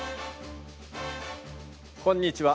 こんにちは。